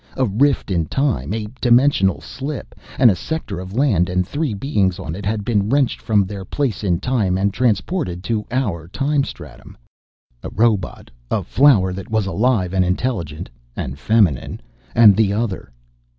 A rift in time, a dimensional slip and a sector of land and three beings on it had been wrenched from their place in time and transported to our time stratum. A robot, a flower that was alive and intelligent and feminine and the Other....